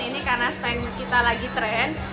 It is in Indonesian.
ini karena stand kita lagi trend